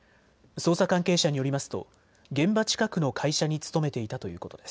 捜査関係者によりますと現場近くの会社に勤めていたということです。